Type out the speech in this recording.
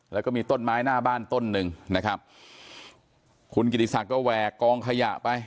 แล้วก็มีต้นไม้หน้าบ้านต้นหนึ่งนะครับคุณกิติศักดิ์แหวกกองขยะไป